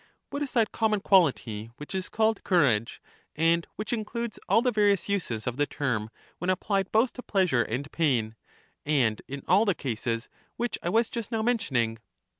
What is that common quality which is called courage, and which includes all the various uses of the term when applied both to pleasure and pain, and in all the cases which I was just now mentioning?